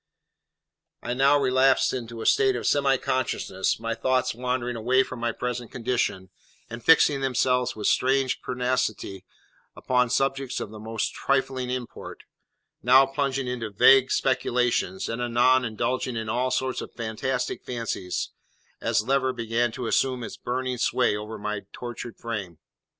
I now relapsed into a state of semi consciousness, my thoughts wandering away from my present condition and fixing themselves, with strange pertinacity, upon subjects of the most trifling import; now plunging into vague speculations, and anon indulging in all sorts of fantastic fancies, as fever began to assume its burning sway over my tortured frame.